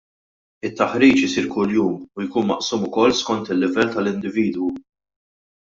It-taħriġ isir kuljum u jkun maqsum ukoll skont il-livell tal-individwu.